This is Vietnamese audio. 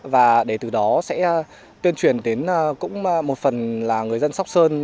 và để từ đó sẽ tuyên truyền đến cũng một phần là người dân sóc sơn